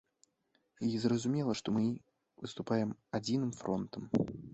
І зразумела, што мы выступаем адзіным фронтам.